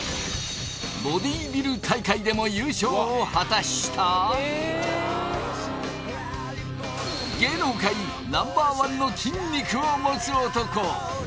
ボディビル大会でも優勝を果たした芸能界Ｎｏ．１の筋肉を持つ男